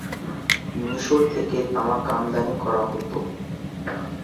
মিশর থেকে তামাক আমদানি করা হত।